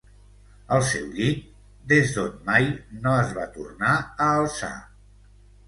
El seu llit, des d’on mai no es va tornar a alçar.